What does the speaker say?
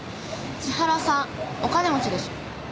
千原さんお金持ちでしょ？